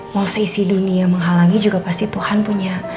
mau seisi dunia menghalangi juga pasti tuhan punya